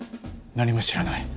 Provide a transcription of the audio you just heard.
何も知らない。